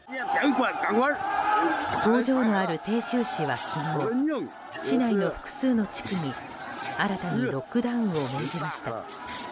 工場のある鄭州市は昨日市内の複数の地区に新たにロックダウンを命じました。